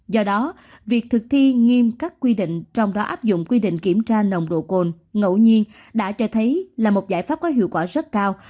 do đó việc thực thi nghiêm các quy định trong đó áp dụng quy định kiểm tra nồng độ cồn ngẫu nhiên đã cho thấy là một giải pháp có hiệu quả rất cao